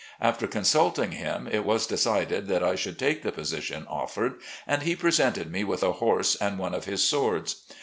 After constdting him, it was decided that I should take the position offered, and he presented me with a home and one of his swords.